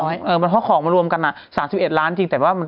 คือมันค่อของมารวมกันนะ๓๑ล้านบาทจริงแต่ว่า